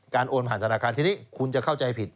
โอนผ่านธนาคารทีนี้คุณจะเข้าใจผิด